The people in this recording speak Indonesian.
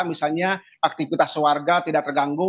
misalnya aktivitas warga tidak terganggu